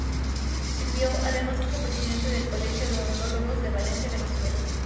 Sirvió, además, como presidente del Colegio de Odontólogos de Valencia, Venezuela.